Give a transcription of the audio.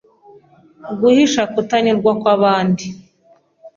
guhisha kutanyurwa kwabandi.